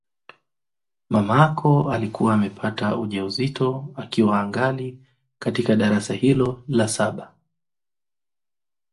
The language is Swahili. Mamako alikuwa amepata uja uzito akiwa angali katika darasa hilo la saba